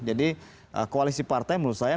jadi koalisi partai menurut saya